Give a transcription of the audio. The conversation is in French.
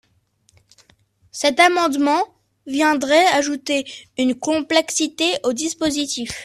Cet amendement viendrait ajouter une complexité au dispositif.